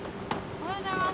おはようございます。